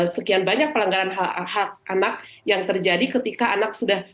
sekian banyak pelanggaran hak hak anak yang terjadi ketika anak sudah